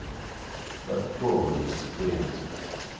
But poor Miss Squeers!